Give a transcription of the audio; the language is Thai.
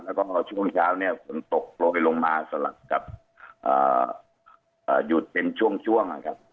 ตกลงไปลงมาอาจานกับอ่ายุดเป็นช่วงครับ